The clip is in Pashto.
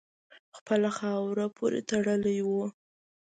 خپله خاوره پوري تړلی وو.